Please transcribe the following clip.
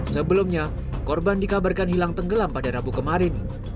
sebelumnya korban dikabarkan hilang tenggelam pada rabu kemarin